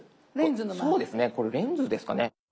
そうですねこれレンズですかね。